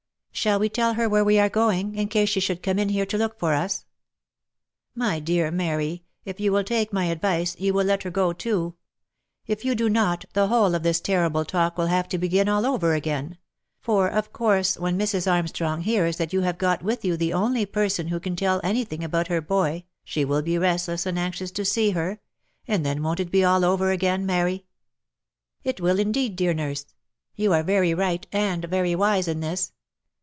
Shall we tell her where we are going, in case she should come in here to look for us ?"" My dear Mary ! If you will take my advice, you will let her go too. If you do not, the whole of this terrible talk will have to begin u 290 THE LIFE AND ADVENTURES all over again ; for of course, when Mrs. Armstrong hears that you have got with you the only person who can tell any thing about her boy, she will be restless and anxious to see her — and then won't it be all over again, Mary?" " It will, indeed, dear nurse ! You are very right, and very wise in this.